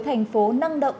thành phố năng động